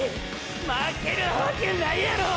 負けるわけないやろ！！